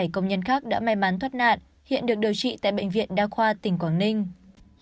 bảy công nhân khác đã may mắn thoát nạn hiện được điều trị tại bệnh viện đa khoa tỉnh quảng ninh